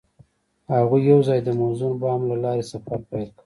هغوی یوځای د موزون بام له لارې سفر پیل کړ.